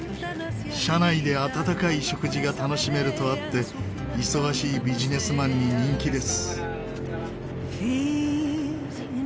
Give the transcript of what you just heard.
車内で温かい食事が楽しめるとあって忙しいビジネスマンに人気です。